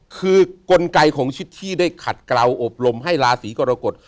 คือกลไกของชิดที่ได้ขัดกล่าวอบรมให้ราศีกรกฎ